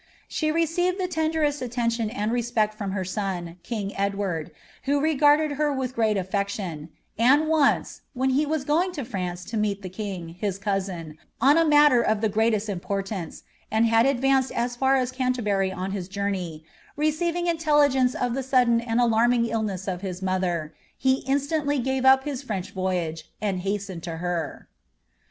She received the tenderest attention and respect from her son, king Iward, who regarded her with great afiection ; and once, when he was mg to France to meet the king, his cousin, on a matter of the greatest iportance, and had advanced as far as Canterbury on his journey, eeiving intelligence of the sudden and alarming illness of his mother, ) instantly gave up his French voyage^ and hastened to her.